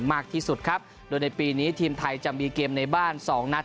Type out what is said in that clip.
มากที่สุดครับโดยในปีนี้ทีมไทยจะมีเกมในบ้านสองนัด